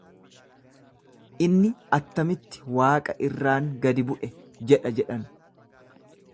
Inni attamitti waaqa irraan gad bu’e jedha jedhan.